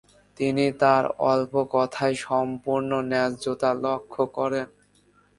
তিনি তাঁর "অল্প কথায় সম্পূর্ণ ন্যায্যতা" লক্ষ্য করেন।